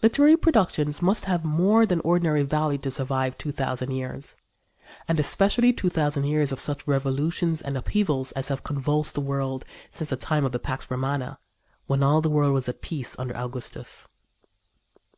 Literary productions must have more than ordinary value to survive two thousand years, and especially two thousand years of such revolutions and upheavals as have convulsed the world since the time of the Pax Romana, when all the world was at peace under Augustus.